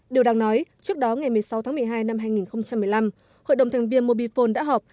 điều đáng nói trước đó ngày một mươi sáu tháng một mươi hai năm hai nghìn một mươi năm hội đồng thành viên mobifone đã họp